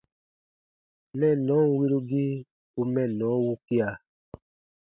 Mɛnnɔn wirugii u mɛnnɔ wukia.